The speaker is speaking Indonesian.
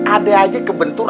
ada aja kebentur